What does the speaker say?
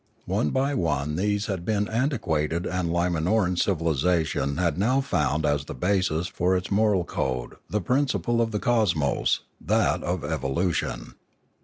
One by one these had been antiquated and Limanoran civilisation had now found as the basis for its moral code the principle of the cosmos, that of evolution.